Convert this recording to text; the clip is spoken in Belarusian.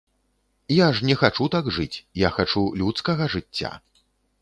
Я ж не хачу так жыць, я хачу людскага жыцця.